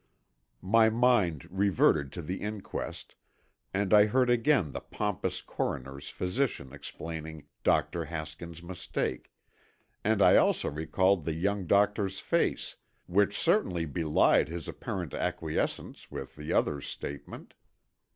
My mind reverted to the inquest, and I heard again the pompous coroner's physician explaining Dr. Haskins' mistake, and I also recalled the young doctor's face, which certainly belied his apparent acquiescence with the other's statement.